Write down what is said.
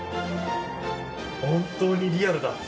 本当にリアルだ。